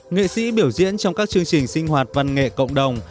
nghệ sĩ biểu diễn trong các chương trình sinh hoạt văn nghệ cộng đồng